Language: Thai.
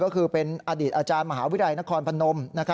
ก็คือเป็นอดีตอาจารย์มหาวิทยาลัยนครพนม